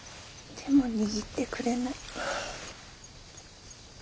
手も握ってくれない。